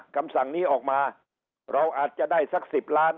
คำสั่งนี้ออกมาเราอาจจะได้สัก๑๐ล้าน